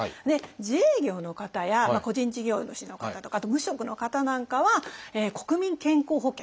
自営業の方や個人事業主の方とかあと無職の方なんかは国民健康保険。